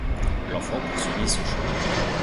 L’enfant poursuivit son chemin.